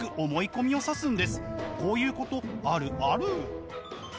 こういうことあるある。